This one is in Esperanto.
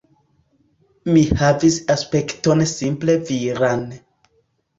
Mi havis aspekton simple viran.